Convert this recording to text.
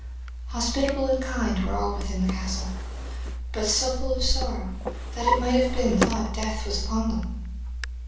Hospitable and kind were all within the castle, but so full of sorrow that it might have been thought death was upon them.